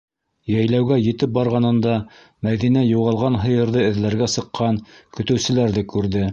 Йәйләүгә етеп барғанында, Мәҙинә юғалған һыйырҙы эҙләргә сыҡҡан көтөүселәрҙе күрҙе.